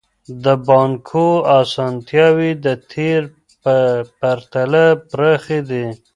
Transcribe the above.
د بانکو اسانتياوې د تېر په پرتله پراخي دي.